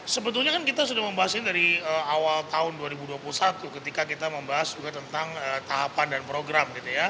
sebetulnya kan kita sudah membahas ini dari awal tahun dua ribu dua puluh satu ketika kita membahas juga tentang tahapan dan program gitu ya